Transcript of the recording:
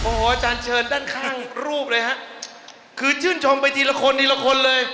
โอ้โหอาจารย์เชิญด้านข้างรูปเลยฮะคือชื่นชมไปทีละคนทีละคนเลย